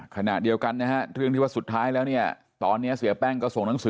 ขนาดเดียวกันถึงว่าสุดท้ายแล้วเนี่ยตอนนี้เสียแป้งก็ส่ง